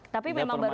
tapi memang baru